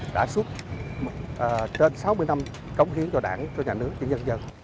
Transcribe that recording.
đã suốt trên sáu mươi năm cống khiến cho đảng cho nhà nước cho dân dân